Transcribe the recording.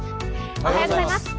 おはようございます。